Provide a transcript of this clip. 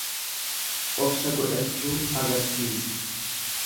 Obsa godhachuu agarsiisa.